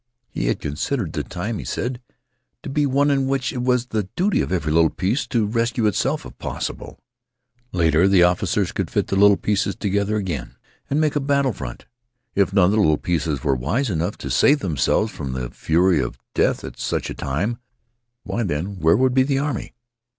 He had considered the time, he said, to be one in which it was the duty of every little piece to rescue itself if possible. Later the officers could fit the little pieces together again, and make a battle front. If none of the little pieces were wise enough to save themselves from the flurry of death at such a time, why, then, where would be the army?